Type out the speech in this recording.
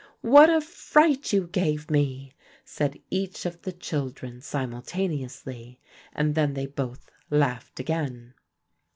"What a fright you gave me!" said each of the children simultaneously, and then they both laughed again.